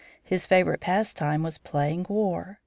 His favorite pastime was playing war.